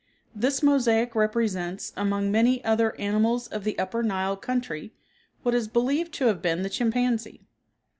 This mosaic represents, among many other animals of the Upper Nile country, what is believed to have been the chimpanzee.